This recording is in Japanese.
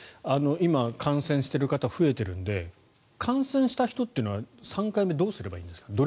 今、感染している方増えているので感染した人というのは３回目どうすればいいんですか？